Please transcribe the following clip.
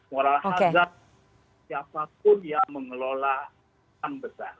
mengelola hazard siapapun yang mengelola yang besar